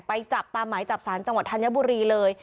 ไปจับตามหมายจับสารจังหวัดธัญบุรีเลย